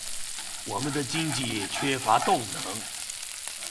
我們的經濟缺乏動能